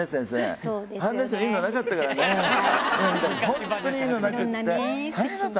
ホントにいいのなくって。